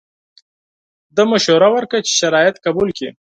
ده مشوره ورکړه چې شرایط قبول کړي.